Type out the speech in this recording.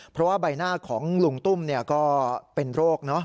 เพราะว่าใบหน้าของลุงตุ้มก็เป็นโรค